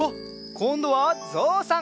こんどはぞうさん！